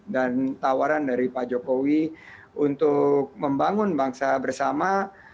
dan tawaran dari pak jokowi untuk membangun bangsa bersama